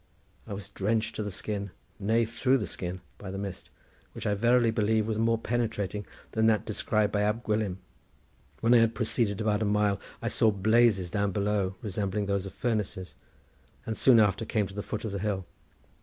I was drenched to the skin, nay, through the skin, by the mist, which I verily believe was more penetrating than that described by Ab Gwilym. When I had proceeded about a mile I saw blazes down below, resembling those of furnaces, and soon after came to the foot of the hill.